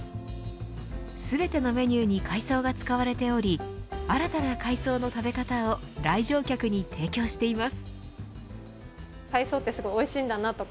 全てのメニューに海藻が使われており新たな海藻の食べ方を来場客に提供しています。